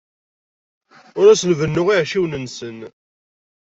Ur asen-bennuɣ iɛecciwen-nsen.